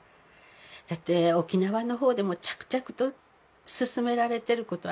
だって沖縄のほうでも着々と進められていることあるでしょう。